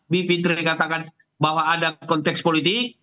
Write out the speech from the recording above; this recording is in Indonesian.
bivitri katakan bahwa ada konteks politik